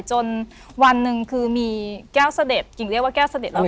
จนวันหนึ่งคือมีแก้วเสด็จกิ่งเรียกว่าแก้วเสด็จแล้ว